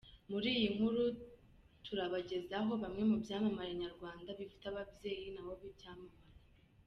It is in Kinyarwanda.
Muri iyi nkuru, turabagezaho bamwe mu byamamare nyarwanda bifite ababyeyi nabo b’ibyamamare.